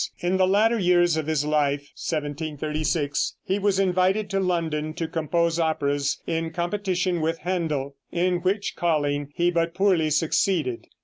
In the latter years of his life (1736) he was invited to London to compose operas in competition with Händel, in which calling he but poorly succeeded.